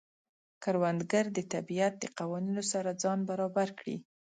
کروندګر د طبیعت د قوانینو سره ځان برابر کړي